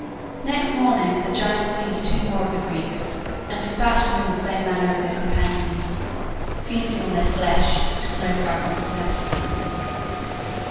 Next morning the giant seized two more of the Greeks, and despatched them in the same manner as their companions, feasting on their flesh till no fragment was left.